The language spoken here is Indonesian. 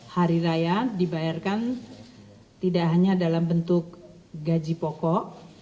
hari raya dibayarkan tidak hanya dalam bentuk gaji pokok